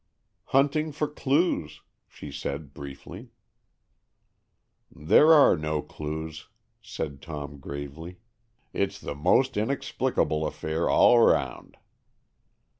"Hunting for clues," she said briefly. "There are no clues," said Tom gravely. "It's the most inexplicable affair all 'round."